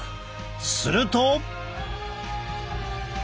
すると。